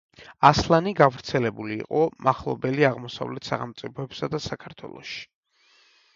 ასლანი გავრცელებული იყო მახლობელი აღმოსავლეთ სახელმწიფოებსა და საქართველოში.